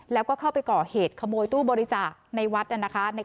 แล้วก็เข้าไปก่อเหตุขโมยตู้บริจาคในวัดนะคะ